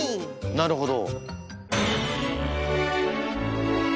なるほど。